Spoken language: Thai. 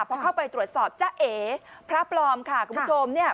พอเข้าไปตรวจสอบจ้าเอ๋พระปลอมค่ะคุณผู้ชมเนี่ย